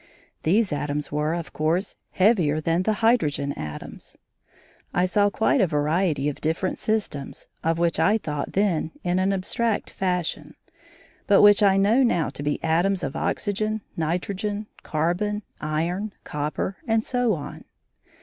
These atoms were, of course, heavier than the hydrogen atoms. I saw quite a variety of different systems, of which I thought then in an abstract fashion, but which I know now to be atoms of oxygen, nitrogen, carbon, iron, copper, and so on.